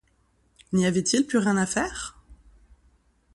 N’y avait-il plus rien à faire?